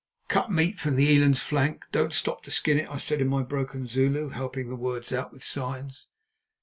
"Cut meat from the eland's flank; don't stop to skin it," I said in my broken Zulu, helping the words out with signs.